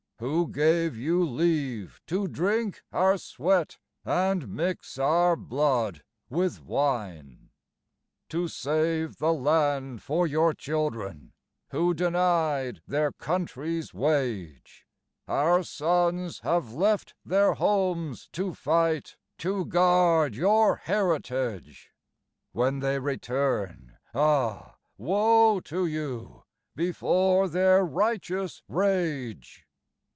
Who gave you leave to drink our sweat and mix our blood with wine? To save the land for your children, who denied their country's wage, Our sons have left their homes to fight, to guard your heritage; When they return Ah! woe to you before their righteous rage.